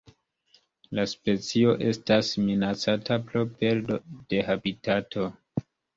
La specio estas minacata pro perdo de habitato.